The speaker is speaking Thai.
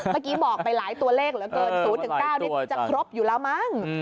เมื่อกี้บอกไปหลายตัวเลขเหลือเกิน๐๙นี่จะครบอยู่แล้วมั้ง